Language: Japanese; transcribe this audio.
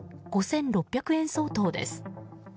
５６００円相当です。